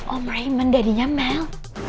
om raymond dadinya mel